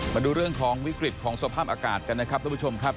มาดูเรื่องของวิกฤตของสภาพอากาศกันนะครับทุกผู้ชมครับ